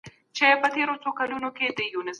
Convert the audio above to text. لویس ورت په تېر وخت کې مهم مطالب وړاندې کړي وو.